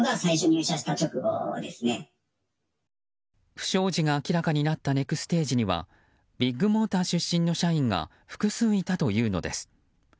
不祥事が明らかになったネクステージにはビッグモーター出身の社員が複数いたというのです。